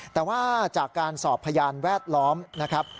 แต่ว่าจากการสอบพยานแวดล้อมนะครับ